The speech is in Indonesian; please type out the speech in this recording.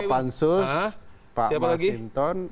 ketua pansus pak masinton